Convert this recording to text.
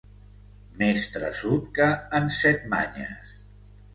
Més traçut que en Set-manyes.